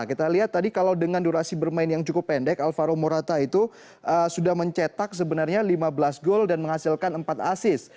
kita lihat tadi kalau dengan durasi bermain yang cukup pendek alvaro morata itu sudah mencetak sebenarnya lima belas gol dan menghasilkan empat asis